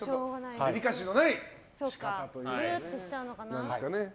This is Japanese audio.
デリカシーのない仕方というかね。